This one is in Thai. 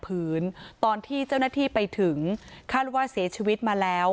พื้นที่ตอนที่เจ้าหน้าที่ไปถึงคาดว่าเสียชีวิตมาแล้ว